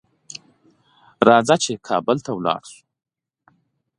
راځه چې کابل ته ولاړ شو؛ هلته به یوه هټه او سټه سره وکړو.